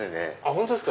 本当ですか。